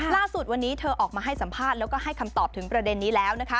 ล่าสุดวันนี้เธอออกมาให้สัมภาษณ์แล้วก็ให้คำตอบถึงประเด็นนี้แล้วนะคะ